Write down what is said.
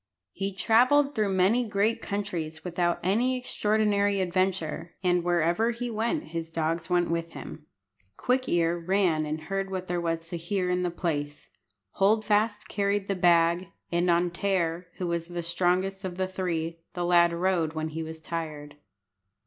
He travelled through many great countries without any extraordinary adventure, and wherever he went his dogs went with him. Quick ear ran and heard what there was to hear in the place; Hold fast carried the bag; and on Tear, who was the strongest of the three, the lad rode when he was tired.